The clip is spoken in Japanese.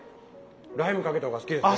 ライムかけた方が好きですね。